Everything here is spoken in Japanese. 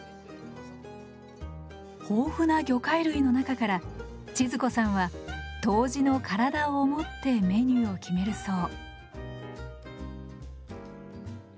豊富な魚介類の中から千鶴子さんは杜氏の体を思ってメニューを決めるそう。